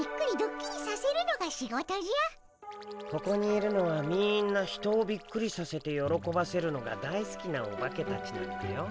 ここにいるのはみんな人をびっくりさせてよろこばせるのが大好きなオバケたちなんだよ。